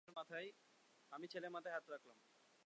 আমি ছেলের মাথায় হাত রাখলাম।